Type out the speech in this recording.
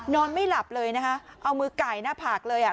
นอนไม่หลับเลยนะคะเอามือไก่หน้าผากเลยอ่ะ